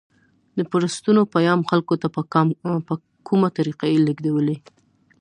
د پوسټرونو پیام خلکو ته په کومه طریقه لیږدوي؟